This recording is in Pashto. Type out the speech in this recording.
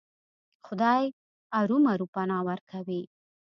خدای ارومرو پناه ورکوي.